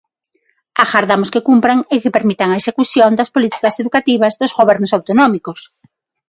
Agardamos que cumpran e que permitan a execución das políticas educativas dos gobernos autonómicos.